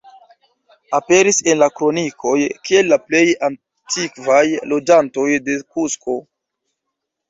Aperis en la kronikoj kiel la plej antikvaj loĝantoj de Kusko.